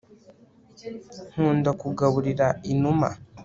nkunda kugaburira inuma